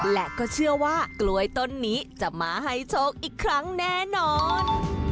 และก็เชื่อว่ากล้วยต้นนี้จะมาให้โชคอีกครั้งแน่นอน